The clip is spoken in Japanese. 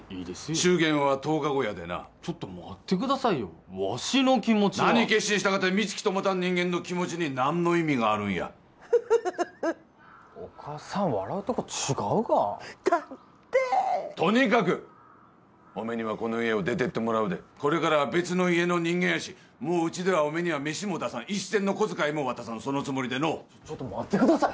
祝言は１０日後やでなちょっと待ってくださいよわしの気持ちは何決心したかて三月ともたん人間の気持ちに何の意味があるんやお母さん笑うとこ違うがだってとにかくおめにはこの家を出てってもらうでこれからは別の家の人間やしもううちではおめに飯も出さん一銭の小遣いも渡さんそのつもりでのう待ってください